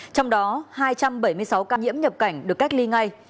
trong đó hai trăm bảy mươi sáu ca nhiễm nhập cảnh được cách ly ngay